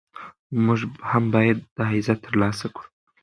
موږ هم باید دا عزت ترلاسه کړو.